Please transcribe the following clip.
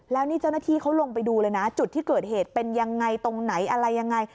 แล้วนี่เจ้าหน้าที่เขาลงไปดูเลยนะจุดที่เกิดเหตุเป็นยังไงตรงไหนอะไรยังไง